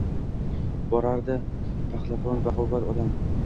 Borar edi pahlavonqand, baquvvat odam.